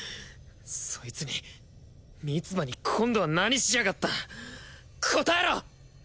そいつにミツバに今度は何しやがった答えろ！